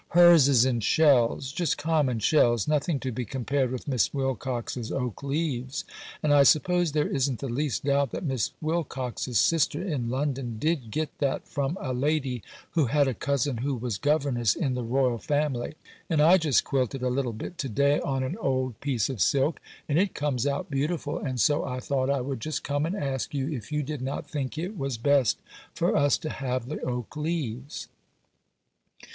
Hers is in shells—just common shells; nothing to be compared with Miss Wilcox's oak leaves; and I suppose there isn't the least doubt that Miss Wilcox's sister in London did get that from a lady who had a cousin who was governess in the royal family, and I just quilted a little bit to day on an old piece of silk, and it comes out beautiful, and so I thought I would just come and ask you if you did not think it was best for us to have the oak leaves.